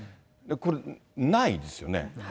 これ、ないですよね。